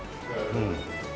うん。